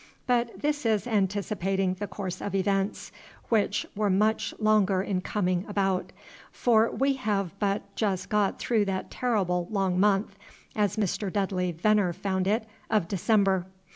But this is anticipating the course of events, which were much longer in coming about; for we have but just got through that terrible long month, as Mr. Dudley Venner found it, of December.